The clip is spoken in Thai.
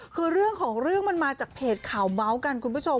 คือเรื่องของเรื่องมันมาจากเพจข่าวเมาส์กันคุณผู้ชม